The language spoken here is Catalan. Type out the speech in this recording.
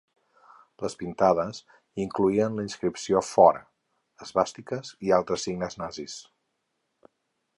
Les pintades incloïen la inscripció ‘Fora’, esvàstiques i altres signes nazis.